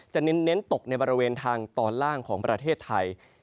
เน้นตกในบริเวณทางตอนล่างของประเทศไทย